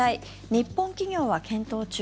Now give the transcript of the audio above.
日本企業は検討中。